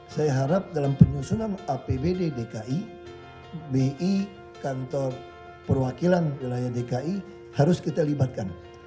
saya harap dalam penyusunan apbd dki bi kantor perwakilan wilayah dki harus kita libatkan